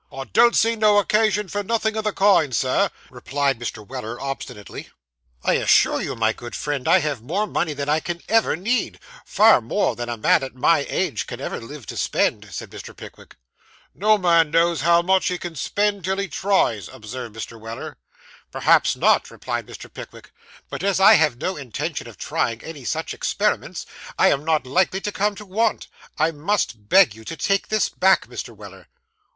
'I don't see no occasion for nothin' o' the kind, Sir,' replied Mr. Weller obstinately. 'I assure you, my good friend, I have more money than I can ever need; far more than a man at my age can ever live to spend,' said Mr. Pickwick. 'No man knows how much he can spend, till he tries,' observed Mr. Weller. 'Perhaps not,' replied Mr. Pickwick; 'but as I have no intention of trying any such experiments, I am not likely to come to want. I must beg you to take this back, Mr. Weller.